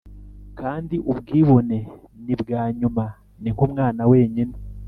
kandi, ubwibone nibwa nyuma, ni nkumwana wenyine